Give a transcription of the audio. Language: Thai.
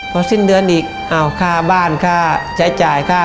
พอสิ้นเดือนอีกอ้าวค่าบ้านค่าใช้จ่ายค่า